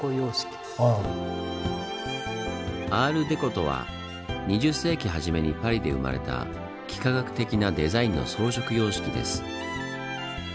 「アール・デコ」とは２０世紀初めにパリで生まれた幾何学的なデザインの装飾様式です。